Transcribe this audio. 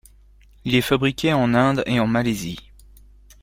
Il est fabriqué en Inde et en Malaisie.